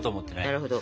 なるほど。